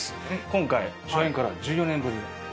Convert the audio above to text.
今回初演から１４年ぶりで４回目の。